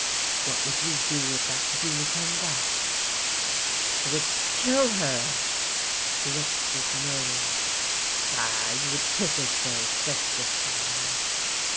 What would you do if that Junie come back ?"" I would kill her !" His look was murderous. " Bah ! you would kiss her first, just the same."